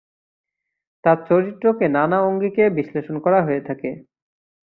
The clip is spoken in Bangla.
তার চরিত্রকে নানা আঙ্গিকে বিশ্লেষণ করা হয়ে থাকে।